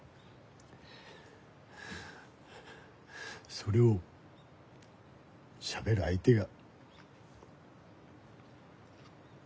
それをしゃべる相手が。